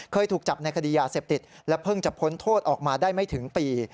เคยถูกจับในคดียาเสพติดและเพิ่งจะพ้นโทษออกมาได้ไม่ถึงปี